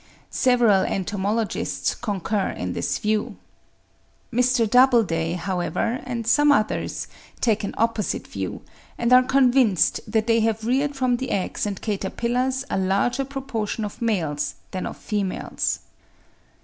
Several entomologists concur in this view. Mr. Doubleday, however, and some others, take an opposite view, and are convinced that they have reared from the eggs and caterpillars a larger proportion of males than of females.